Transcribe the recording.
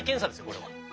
これは。